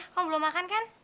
kamu belum makan kan